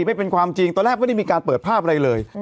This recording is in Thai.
ไม่เป็นความจริงตอนแรกไม่ได้มีการเปิดภาพอะไรเลย